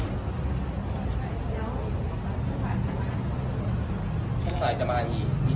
คุณสาธารภาพจะมาอีก๖คน